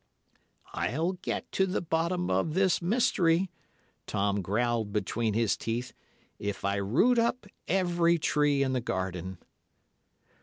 "'I'll get to the bottom of this mystery,' Tom growled between his teeth, 'if I root up every tree in the garden.